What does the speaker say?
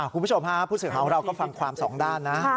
คุณผู้ชมฮะผู้สื่อของเราก็ฟังความสองด้านนะ